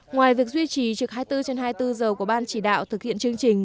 ngoài việc duy trì trực hai mươi bốn trên hai mươi bốn giờ của ban chỉ đạo thực hiện chương trình